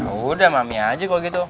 yaudah mami aja kalo gitu